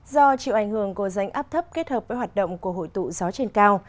do chịu ảnh hưởng của rãnh áp thấp kết hợp với hoạt động của hội tụ gió trên cao